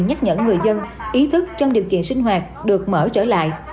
nhắc nhở người dân ý thức trong điều kiện sinh hoạt được mở trở lại